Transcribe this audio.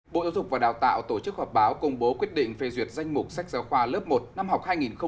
bộ giáo dục và đào tạo tổ chức họp báo công bố quyết định phê duyệt danh mục sách giáo khoa lớp một năm học hai nghìn hai mươi hai nghìn hai mươi